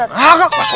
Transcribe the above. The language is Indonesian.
nggak tau ustadz